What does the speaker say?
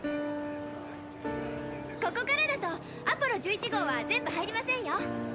ここからだとアポロ１１号は全部入りませんよ。